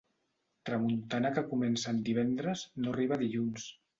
Tramuntana que comença en divendres no arriba a dilluns.